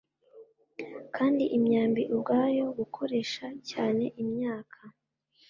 Kandi imyambi ubwayo Gukoresha cyaneimyaka